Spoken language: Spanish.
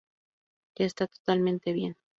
Ya esta totalmente bien.